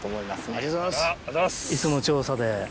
ありがとうございます。